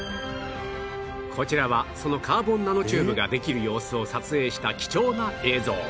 こちらはそのカーボンナノチューブができる様子を撮影した貴重な映像